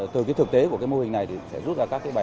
từ cái thực tế của cái mô hình này thì sẽ rút ra các cái bài